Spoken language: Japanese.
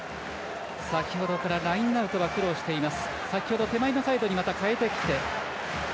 日ごろから、ラインアウトは苦労しています。